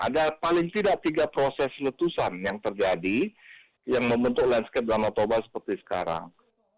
ada paling tidak tiga proses letusan yang terjadi yang membentuk landscape danau toba seperti sekarang